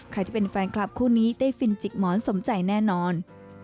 ใครที่เป็นแฟนคลับคู่นี้ได้ฟินจิกหมอนสมใจแน่นอน